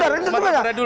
contoh sementara dulu